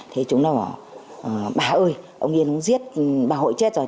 thế chúng nó bảo bà ơi ông yên không giết bà hội chết rồi